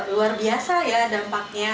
luar biasa ya dampaknya